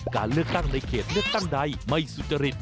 การเลือกตั้งในเขตเลือกตั้งใดไม่สุจริต